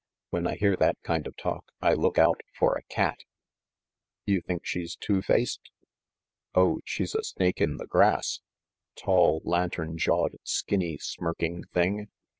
When I hear that kind of talk, I look out for a cat." "You think she's two faced?" "Oh, she's a snake in the grass! Tall, lantern jawed, skinny, smirking thing!